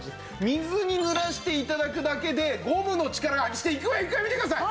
水に濡らして頂くだけでゴムの力が発揮していくわよいくわよ見てください！